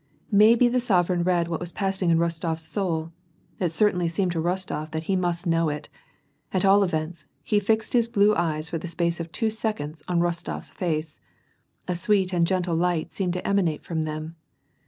May be the sovereign read what was passing in Rostof 's soul ; it certainly seemed to Kostof that he must know it ; at all events, he fixed his blue eyes for the space of two seconds on Kostof s face. (A sweet and gentle light seemed to emanate from them.)